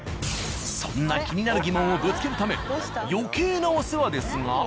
そんな気になる疑問をぶつけるため余計なお世話ですが。